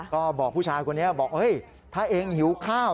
ก็บอกผู้ชายคนนี้บอกเฮ้ยถ้าเองหิวข้าว